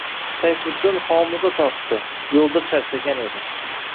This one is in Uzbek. Sayfiddin homuza tortdi – yo‘lda charchagan edi